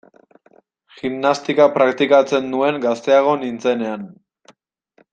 Gimnastika praktikatzen nuen gazteago nintzenean.